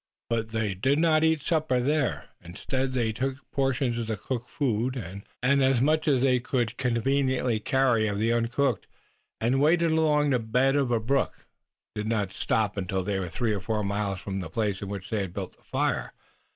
But they did not eat supper there. Instead, they took portions of the cooked food and as much as they could conveniently carry of the uncooked, and, wading along the bed of a brook, did not stop until they were three or four miles from the place in which they had built the fire.